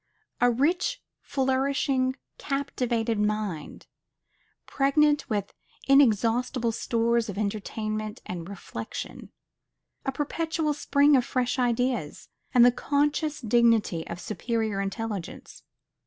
A rich, flourishing, cultivated mind, pregnant with inexhaustible stores of entertainment and reflection. A perpetual spring of fresh ideas; and the conscious dignity of superior intelligence.